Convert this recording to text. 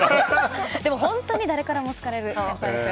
でも、本当に誰からも好かれる先輩ですよ。